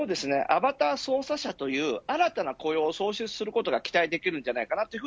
アバター操作者という新たな雇用を創出することが期待できます。